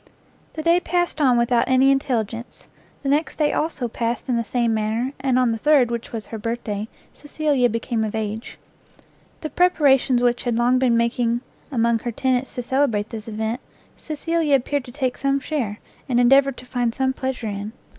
The day passed on without any intelligence; the next day, also, passed in the same manner, and on the third, which was her birthday, Cecilia became of age. The preparations which had long been making among her tenants to celebrate this event, Cecilia appeared to take some share, and endeavoured to find some pleasure in.